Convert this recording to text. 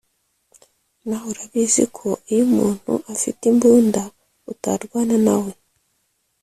nawe urabizi ko iyo umuntu afite imbunda utarwana na we